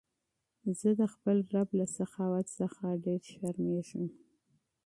زه د خپل رب له سخاوت څخه ډېر شرمېږم.